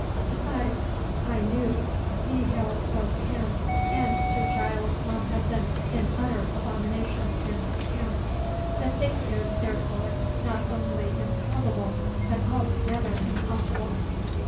Besides, I knew he held both him and Sir Giles Mompesson in utter abomination and contempt. The thing is, therefore, not only improbable, but altogether impossible."